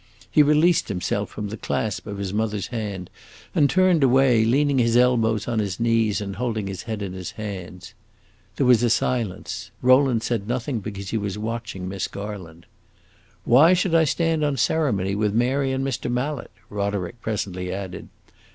He released himself from the clasp of his mother's hand and turned away, leaning his elbows on his knees and holding his head in his hands. There was a silence; Rowland said nothing because he was watching Miss Garland. "Why should I stand on ceremony with Mary and Mr. Mallet?" Roderick presently added.